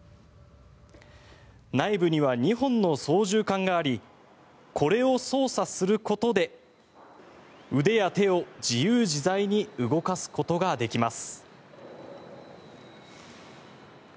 内部には２本の操縦かんがありこれを操作することで腕や手を自由自在に動かすことができます。